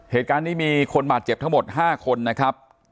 เหตุการณ์นี้มีคนบาดเจ็บทั้งหมด๕คนนะครับ